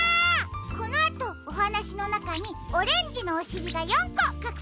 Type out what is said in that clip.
このあとおはなしのなかにオレンジのおしりが４こかくされているよ。